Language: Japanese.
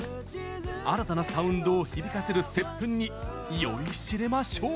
新たなサウンドを響かせる「接吻」に酔いしれましょう！